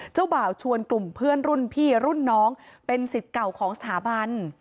บ่าวชวนกลุ่มเพื่อนรุ่นพี่รุ่นน้องเป็นสิทธิ์เก่าของสถาบัน